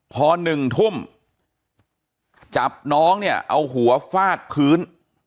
พอ๑ทุ่มจับน้องเนี่ยเอาหัวฟาดพื้น